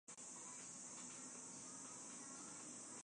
朴春琴朝鲜日治时期政治家。